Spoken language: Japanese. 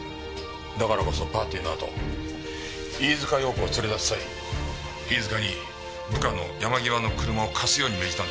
だからこそパーティーのあと飯塚遥子を連れ出す際飯塚に部下の山際の車を貸すように命じたんでしょう。